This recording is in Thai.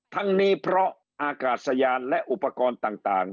ทั้งนี้เพราะอากาศยานและอุปกรณ์ต่าง